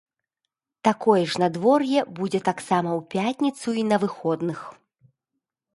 Такое ж надвор'е будзе таксама ў пятніцу і на выходных.